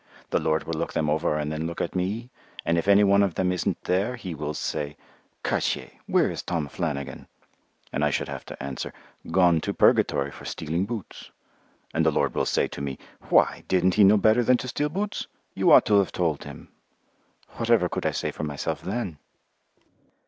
The Lord will look them over and then look at me, and if any one of them isn't there he will say, 'Cartier, where is Tom Flannigan?' And I should have to answer, 'Gone to Purgatory for stealing boots.' And the Lord will say to me, 'Why, didn't he know better than to steal boots? You ought to have told him.' Whatever could I say for myself then?"